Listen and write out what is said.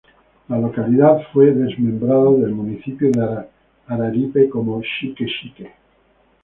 La localidad fue desmembrada del municipio de Araripe, como "Xique-Xique".